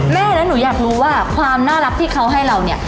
แม่แล้วหนูอยากรู้ว่าความน่ารักที่เขาให้เราเนี่ย